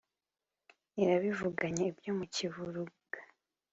Irabivuganya ibyo mu Kivuruga